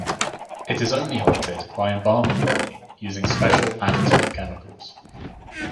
It is only halted by embalming the body using special additive chemicals.